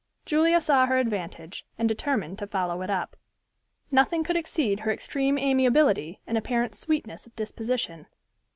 Julia saw her advantage, and determined to follow it up. Nothing could exceed her extreme amiability, and apparent sweetness of disposition.